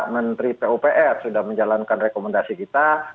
menteri pupr sudah menjalankan rekomendasi kita